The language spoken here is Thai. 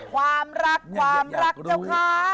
ความรักความรักเจ้าค้า